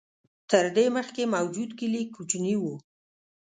تر دې مخکې موجود کلي کوچني و.